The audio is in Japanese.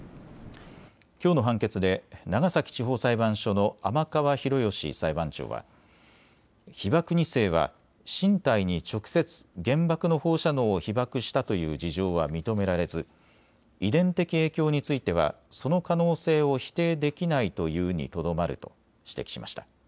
きょうの判決で長崎地方裁判所の天川博義裁判長は被爆２世は身体に直接、原爆の放射能を被爆したという事情は認められず遺伝的影響についてはその可能性を否定できないというにとどまると指摘しました。